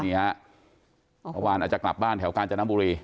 เมื่อวานอาจจะกลับบ้านแถวกาญจนบุรี